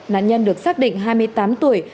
nạn nhân được xác định hai mươi tám tuổi